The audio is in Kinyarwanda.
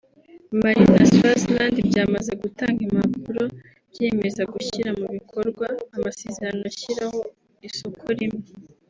Mali na Swaziland byamaze gutanga impapuro byiyemeza gushyira mu bikorwa amasezerano ashyiraho Isoko Rimwe